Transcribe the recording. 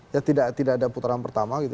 ya tidak ada putaran pertama gitu